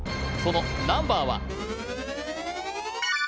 そのナンバーは？